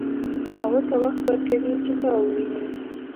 او ورته وخت ورکوي چې تا وويني.